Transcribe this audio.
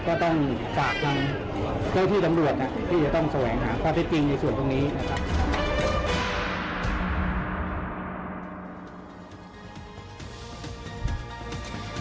ก็ต้องฝากทางเจ้าที่ตำรวจที่จะต้องแสวงหาข้อเท็จจริงในส่วนตรงนี้นะครับ